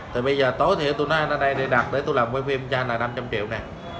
thì bây giờ tối thiểu tôi nói anh ở đây để đặt để tôi làm quay phim cho anh là năm trăm linh triệu nè